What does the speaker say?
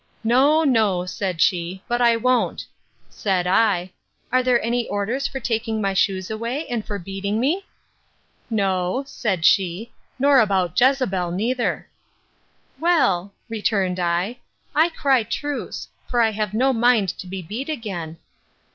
No, no, said she, but I won't. Said I, Are there any orders for taking my shoes away, and for beating me? No, said she, nor about Jezebel neither. Well, returned I, I cry truce; for I have no mind to be beat again.